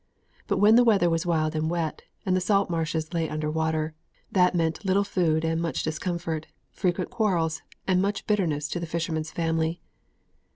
But when the weather was wild and wet, and the salt marshes lay under water, that meant little food and much discomfort, frequent quarrels, and much bitterness to the fisherman's family.